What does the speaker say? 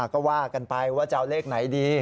ก็ว่ากันไปว่าจะเอาเลขไหนดี